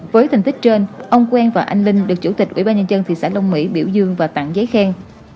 với thành tích trên ông quen và anh linh được chủ tịch ủy ban nhân dân thị xã long mỹ biểu dương và tặng giấy khen